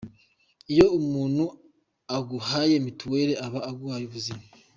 Iyo umuntu aguhaye mitiweli aba aguhaye ubuzima.